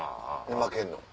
負けんの？